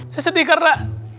saya sedih karena